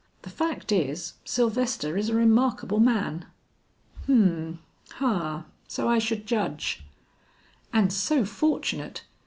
The fact is, Sylvester is a remarkable man." "Hum, ha, so I should judge." "And so fortunate!